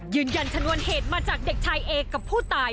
ชนวนเหตุมาจากเด็กชายเอกับผู้ตาย